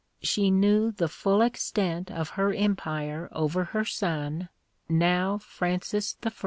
She knew the full extent of her empire over her son, now Francis I.